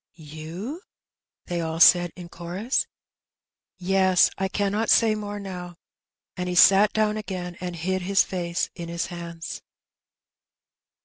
^^You!" they all said in chorus. *'Yes. I cannot say more now." And he sat down again, and hid his face in his hands.